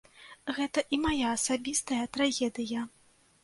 Гэта і мая асабістая трагедыя.